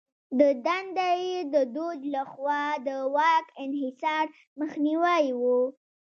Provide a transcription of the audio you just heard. د دنده یې د دوج لخوا د واک انحصار مخنیوی و.